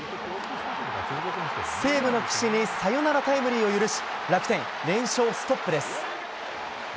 西武の岸にサヨナラタイムリーを許し楽天、連勝ストップです。